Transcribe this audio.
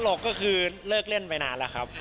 หรอกก็คือเลิกเล่นไปนานแล้วครับ